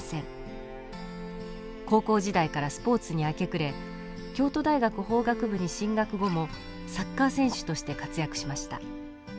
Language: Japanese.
高校時代からスポーツに明け暮れ京都大学法学部に進学後もサッカー選手として活躍しました。